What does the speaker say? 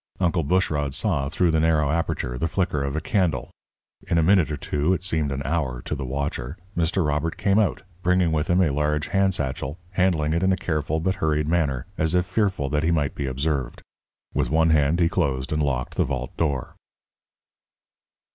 Uncle Bushrod saw, through the narrow aperture, the flicker of a candle. In a minute or two it seemed an hour to the watcher Mr. Robert came out, bringing with him a large hand satchel, handling it in a careful but hurried manner, as if fearful that he might be observed. With one hand he closed and locked the vault door.